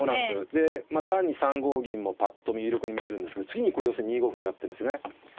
で単に３五銀もぱっと見有力に見えるんですけど次にこれ要するに２五歩狙ってんですね。